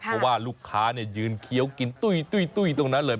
เพราะว่าลูกค้ายืนเคี้ยวกินตุ้ยตรงนั้นเลย